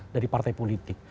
dari partai politik